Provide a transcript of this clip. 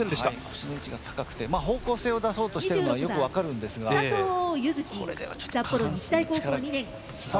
腰の位置が高くて方向性を出そうとしているのはよく分かるんですがこれではちょっと下半身の力、伝わらないですね。